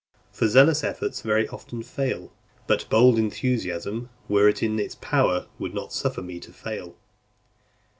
For zealous efforts very often fail: but bold enthusiasm, were it in its power, would not suffer me to fail.